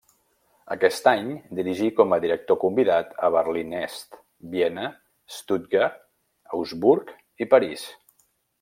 Aquest any dirigí com a director convidat a Berlín Est, Viena, Stuttgart, Augsburg i París.